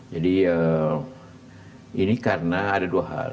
jadi ini karena ada dua hal